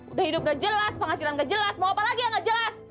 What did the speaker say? udah hidup gak jelas penghasilan gak jelas mau apa lagi ya nggak jelas